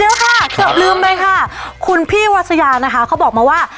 เดี๋ยวค่ะเกือบลืมเลยค่ะคุณพี่วัสยานะคะเขาบอกมาว่า